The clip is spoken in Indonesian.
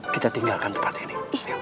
kita tinggalkan tempat ini